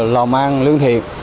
lò mang lương thiện